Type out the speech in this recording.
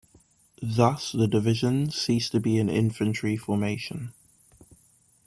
Thus the division ceased to be an infantry formation.